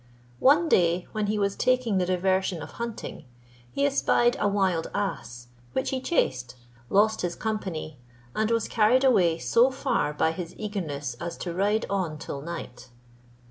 One day when he was taking the diversion of hunting, he espied a wild ass, which he chased, lost his company, and was carried away so far by his eagerness as to ride on till night.